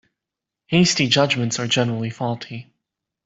Hasty judgements are generally faulty.